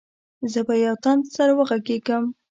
زه به يو تن سره وغږېږم.